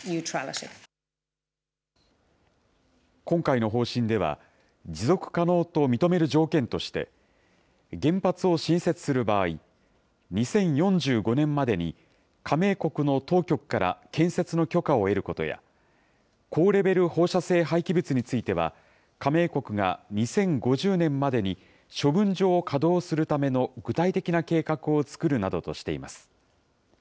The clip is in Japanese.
今回の方針では、持続可能と認める条件として、原発を新設する場合、２０４５年までに加盟国の当局から建設の許可を得ることや、高レベル放射性廃棄物については、加盟国が２０５０年までに処分場を稼働するための具体的な計画を作るなどとしています。